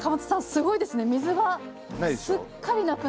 すごいですね。